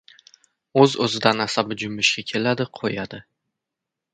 O‘z-o‘zidan asabi junbishga keladi-qo‘yadi.